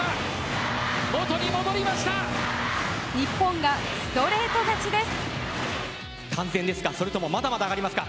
日本がストレート勝ちです。